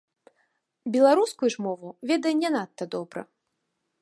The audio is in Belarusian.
Беларускую ж мову ведае не надта добра.